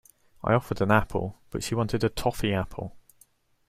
I offered an apple, but she wanted a toffee apple.